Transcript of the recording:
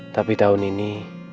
tapi tahun ini